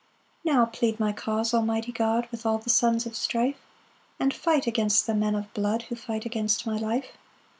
1 Now plead my cause, almighty God, With all the Sons of strife; And fight against the men of blood, Who fight against my life.